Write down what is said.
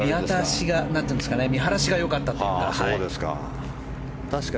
見晴らしがよかったというか。